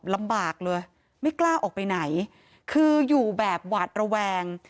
ลำบากเลยไม่กล้าออกไปไหนคืออยู่แบบหวาดระแวง